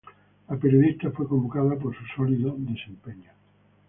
La periodista fue convocada por su sólido desempeño.